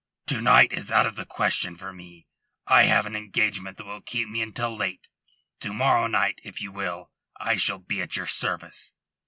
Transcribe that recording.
"To night is out of the question for me. I have an engagement that will keep me until late. To morrow night, if you will, I shall be at your service."